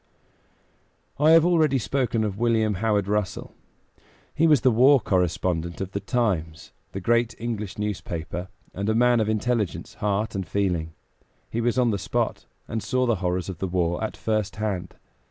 I have already spoken of William Howard Russell. He was the war correspondent of the Times, the great English newspaper, and a man of intelligence, heart and feeling. He was on the spot, and saw the horrors of the war at first hand.